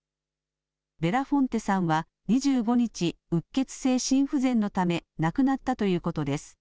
ベラフォンテさんは２５日、うっ血性心不全のため亡くなったということです。